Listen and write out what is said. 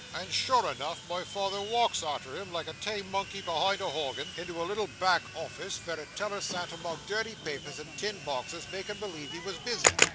and sure enough my father walks arter him, like a tame monkey behind a horgan, into a little back office, vere a teller sat among dirty papers, and tin boxes, making believe he was busy.